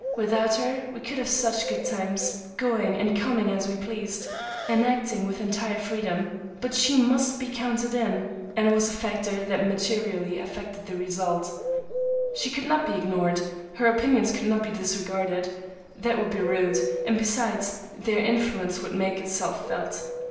Without her we could have such good times, going and coming as we pleased, and acting with entire freedom; but she must be counted in, and was a factor that materially affected the result. She could not be ignored; her opinions could not be disregarded. That would be rude, and besides, their influence would make itself felt.